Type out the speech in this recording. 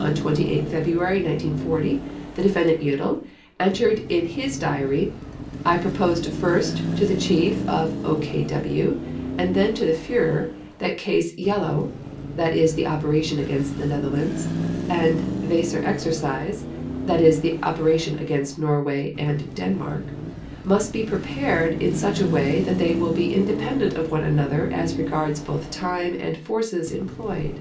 On 28 February 1940 the Defendant Jodl entered in his diary: "I proposed first to the Chief of OKW and then to the Führer that Case Yellow (that is the operation against the Netherlands) and Weser Exercise (that is the operation against Norway and Denmark) must be prepared in such a way that they will be independent of one another as regards both time and forces employed."